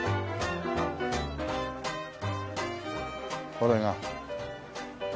これが。